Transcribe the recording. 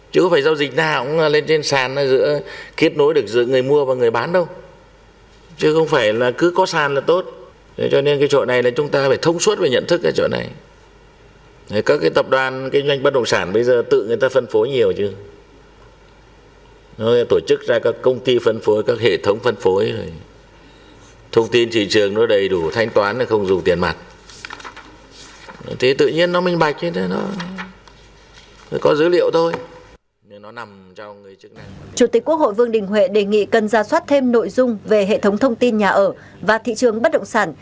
chủ tịch quốc hội vương đình huệ đề nghị cần ra soát thêm nội dung về hệ thống thông tin nhà ở và thị trường bất động sản